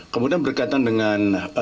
kemudian berkaitan dengan